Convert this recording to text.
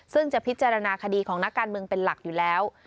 ซึ่งจะพิจารณาคดีของนักการเมืองเป็นหลักอยู่แล้ว